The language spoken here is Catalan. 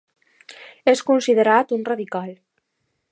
És considerat un radical.